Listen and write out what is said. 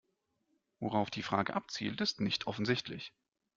Worauf die Frage abzielt, ist nicht offensichtlich.